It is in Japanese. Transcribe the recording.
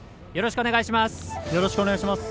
よろしくお願いします。